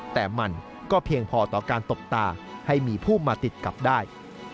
แต่มันก็เพียงพอต่อการตบตาให้มีผู้มาติดกับได้